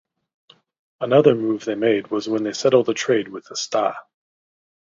Another move they made was they settled a trade with the Sta.